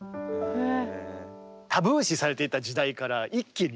へえ。